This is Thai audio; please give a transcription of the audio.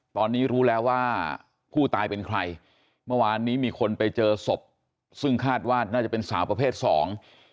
ตอนนี้รู้แล้วว่าผู้ตายเป็นใครเมื่อวานนี้มีคนไปเจอศพซึ่งคาดว่าน่าจะเป็นสาวประเภทสอง